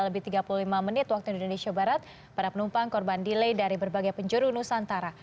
dua puluh tiga lebih tiga puluh lima menit waktu indonesia barat pada penumpang korban delay dari berbagai penjuru nusantara